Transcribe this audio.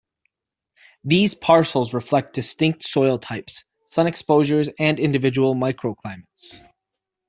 These parcels reflect distinct soil types, sun exposures and individual microclimates.